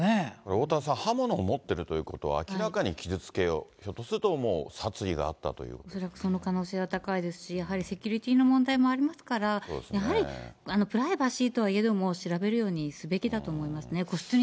おおたわさん、刃物を持ってるということは、明らかに傷つけよう、ひょっとする恐らくその可能性が高いし、やはりセキュリティーの問題もありますから、やはりプライバシーとはいえども、調べるようにすべきだと思いますね。